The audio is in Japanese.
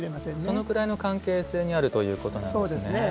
そのぐらいの関係性にあるということなんですね。